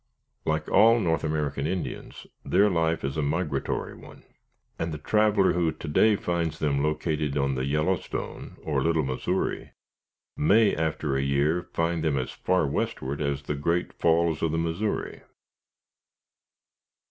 Like all North American Indians, their life is a migratory one; and the traveler who to day finds them located on the Yellowstone or Little Missouri, may, a year after, find them as far westward as the Great Falls of the Missouri.